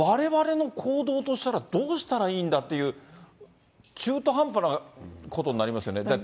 われわれの行動としたら、どうしたらいいんだっていう、中途半端なことになりますよね。